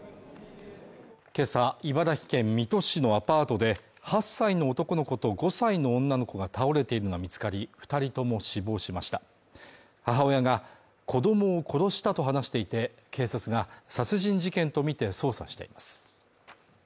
けさ茨城県水戸市のアパートで８歳の男の子と５歳の女の子が倒れているのが見つかり二人とも死亡しました母親が子供を殺したと話していて警察が殺人事件とみて捜査しています